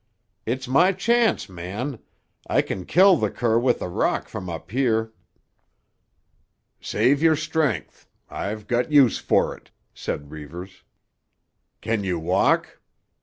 "It's my chance, man. I can kill the cur with a rock from up here." "Save your strength; I've got use for it," said Reivers. "Can you walk?